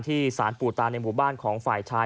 สารปู่ตาในหมู่บ้านของฝ่ายชาย